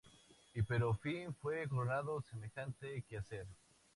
Y pero fin fue coronado semejante quehacer.